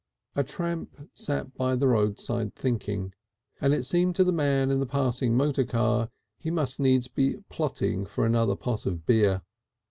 A tramp sat by the roadside thinking, and it seemed to the man in the passing motor car he must needs be plotting for another pot of beer.